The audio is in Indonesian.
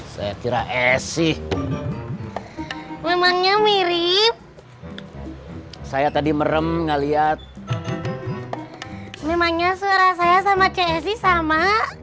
setirah esi memangnya mirip saya tadi merem ngeliat memangnya suara saya sama csi sama